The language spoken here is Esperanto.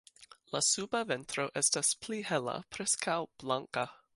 La suba ventro estas pli hela, preskaŭ blanka.